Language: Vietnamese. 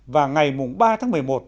và ngày ba tháng một mươi một